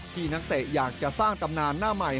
นักเตะอยากจะสร้างตำนานหน้าใหม่